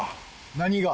何が？